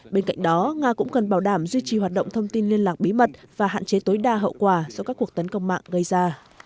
bên cạnh đó nga cũng cần bảo đảm duy trì hoạt động thông tin liên lạc bí mật và hạn chế tối đa hậu quả do các cuộc tấn công mạng gây ra